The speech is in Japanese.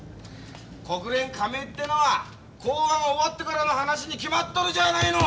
国連加盟ってのは講和が終わってからの話に決まっとるじゃないの！